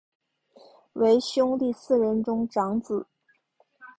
为兄弟四人中长子。